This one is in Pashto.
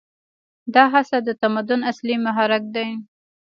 دا هڅه د تمدن اصلي محرک دی.